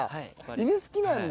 犬好きなんだ。